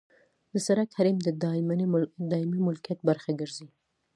د سرک حریم د دایمي ملکیت برخه ګرځي